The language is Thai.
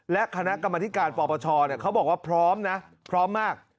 และคณะกรรมธิการปปชเขาบอกว่าพร้อมนะพร้อมมาก